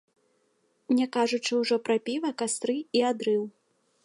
Не кажучы ўжо пра піва, кастры і адрыў.